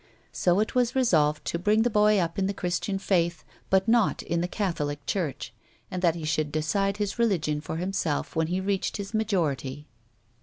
So it was resolved to bring the boy up in the Christain faith, but not in the Catholic Church, and that he should decide his religion for himself when he reached his majority.